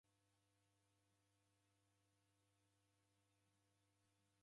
Rugha mnterengo na kizingiti.